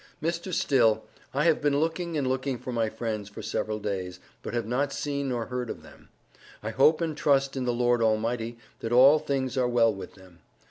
Mr. Still, I have been looking and looking for my friends for several days, but have not seen nor heard of them. I hope and trust in the Lord Almighty that all things are well with them.